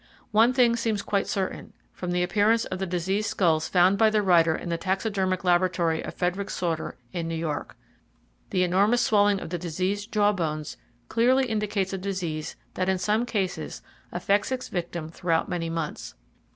One thing seems quite certain, from the appearance of the diseased skulls found by the writer in the taxidermic laboratory of Frederick Sauter, in New York. The enormous swelling of the diseased jaw bones clearly indicates a disease that in some cases affects its victim throughout many months.